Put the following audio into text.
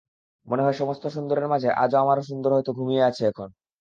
মনে হয়, সমস্ত সুন্দরের মাঝে আজও আমার সুন্দর হয়তো ঘুমিয়ে আছে এখন।